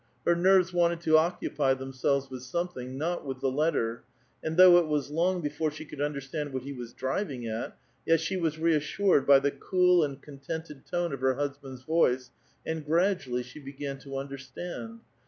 Her nerves wanted to occupy themselves with something, >^t with the letter ; and though it was long before she could ^n^erstand what he was driving at, yet she was reassured by tile cool and contented tone of her husband's voice, and S^^^dually she began to understand.